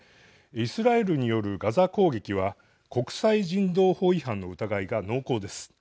イスラエルによるガザ攻撃は国際人道法違反の疑いが濃厚です。